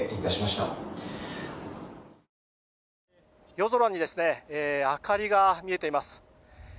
夜空に明かりが見えています。